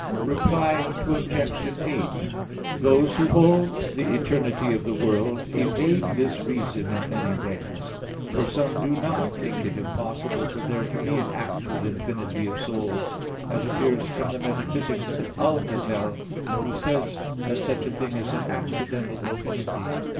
Reply Obj. 8: Those who hold the eternity of the world evade this reason in many ways. For some do not think it impossible for there to be an actual infinity of souls, as appears from the Metaphysics of Algazel, who says that such a thing is an accidental infinity.